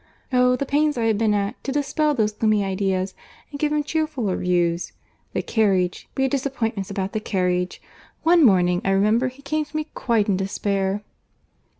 Oh! the pains I have been at to dispel those gloomy ideas and give him cheerfuller views! The carriage—we had disappointments about the carriage;—one morning, I remember, he came to me quite in despair."